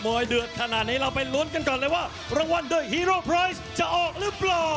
เมื่อเดือดขนาดนี้เราไปล้วนกันก่อนเลยว่ารางวัลด้วยฮีโรปรายซ์จะออกหรือเปล่า